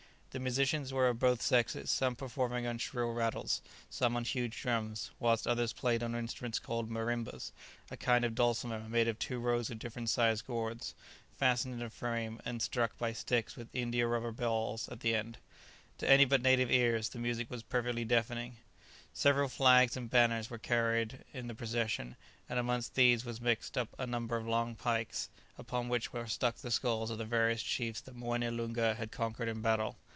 The musicians were of both sexes, some performing on shrill rattles, some on huge drums, whilst others played on instruments called marimbas, a kind of dulcimer made of two rows of different sized gourds fastened in a frame, and struck by sticks with india rubber balls at the end. To any but native ears the music was perfectly deafening. [Illustration: Alvez advanced and presented the king with some fresh tobacco.] Several flags and banners were carried in the procession, and amongst these was mixed up a number of long pikes, upon which were stuck the skulls of the various chiefs that Moené Loonga had conquered in battle.